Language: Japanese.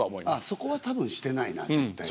そこはたぶんしてないな絶対な。